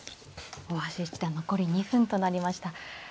大橋七段残り２分となりました。